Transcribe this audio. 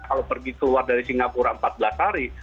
kalau pergi keluar dari singapura empat belas hari